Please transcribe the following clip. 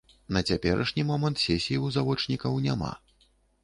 На цяперашні момант сесіі ў завочнікаў няма.